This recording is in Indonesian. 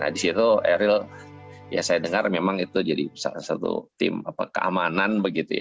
di situ eril ya saya dengar memang itu jadi salah satu tim keamanan